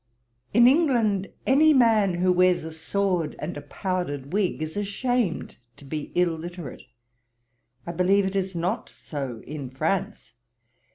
In England, any man who wears a sword and a powdered wig is ashamed to be illiterate. I believe it is not so in France.